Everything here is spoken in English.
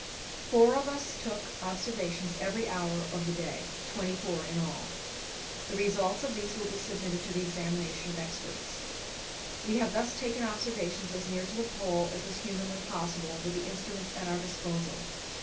Four of us took observations every hour of the day twenty four in all. The results of these will be submitted to the examination of experts. We have thus taken observations as near to the Pole as was humanly possible with the instruments at our disposal.